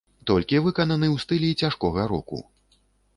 Толькі выкананы ў стылі цяжкога року.